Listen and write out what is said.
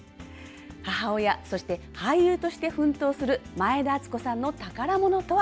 母親、そして俳優として奮闘する前田敦子さんの宝ものとは。